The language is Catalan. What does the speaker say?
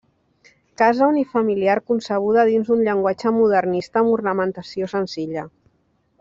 Casa unifamiliar concebuda dins d'un llenguatge modernista amb ornamentació senzilla.